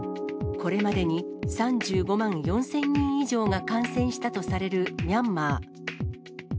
これまでに３５万４０００人以上が感染したとされるミャンマー。